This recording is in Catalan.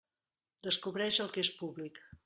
Descobreix el que és públic.